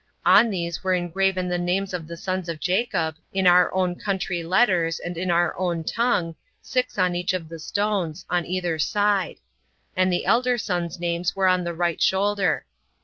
On these were engraven the names of the sons of Jacob, in our own country letters, and in our own tongue, six on each of the stones, on either side; and the elder sons' names were on the right shoulder.